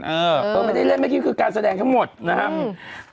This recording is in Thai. เออไม่ได้เล่นเมื่อกี้คือการแสดงทั้งหมดนะครับ